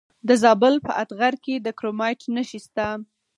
د زابل په اتغر کې د کرومایټ نښې شته.